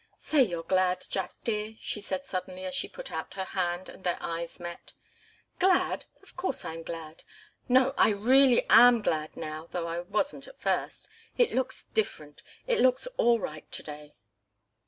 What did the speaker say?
"Say you're glad, Jack dear!" she said suddenly, as she put out her hand, and their eyes met. "Glad! Of course I'm glad no, I really am glad now, though I wasn't at first. It looks different it looks all right to day."